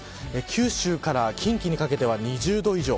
九州から近畿にかけては２０度以上。